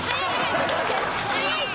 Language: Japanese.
ちょっと待って。